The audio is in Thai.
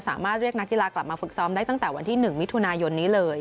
สามารถเรียกนักกีฬากลับมาฝึกซ้อมได้ตั้งแต่วันที่๑มิถุนายนนี้เลย